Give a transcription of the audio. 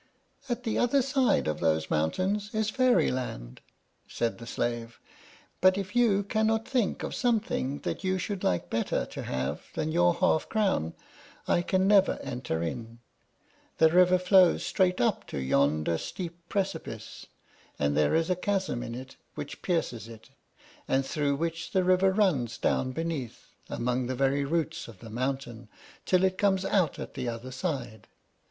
"At the other side of those mountains is Fairyland," said the slave; "but if you cannot think of something that you should like better to have than your half crown, I can never enter in. The river flows straight up to yonder steep precipice, and there is a chasm in it which pierces it, and through which the river runs down beneath, among the very roots of the mountains, till it comes out at the other side.